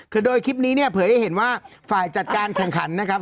คือโดยคลิปนี้เนี่ยเผยให้เห็นว่าฝ่ายจัดการแข่งขันนะครับ